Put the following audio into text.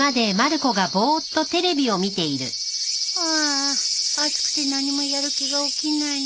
ああ暑くて何もやる気が起きないね。